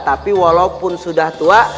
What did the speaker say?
tapi walaupun sudah tua